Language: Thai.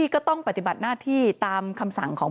ก็ต้องปฏิบัติหน้าที่ตามคำสั่งของ